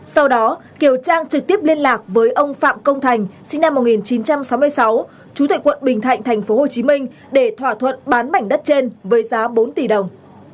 sau đó kiều trang trực tiếp liên lạc với ông phạm công thành sinh năm một nghìn chín trăm sáu mươi sáu chủ tịch quận bình thạnh tp hồ chí minh để thỏa thuận bán mảnh đất trên với giá bốn tỷ đồng